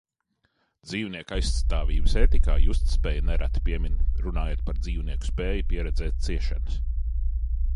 Dzīvnieku aizstāvības ētikā justspēju nereti piemin, runājot par dzīvnieku spēju pieredzēt ciešanas.